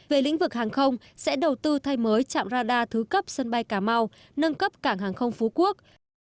về lĩnh vực hàng không sẽ đầu tư thay mới trạm radar thứ cấp sân bay cà mau nâng cấp cảng hàng không phú quốc